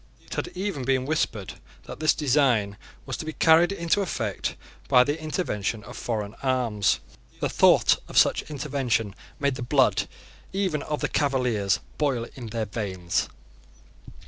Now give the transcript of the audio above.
It had even been whispered that this design was to be carried into effect by the intervention of foreign arms. The thought of Such intervention made the blood, even of the Cavaliers, boil in their veins.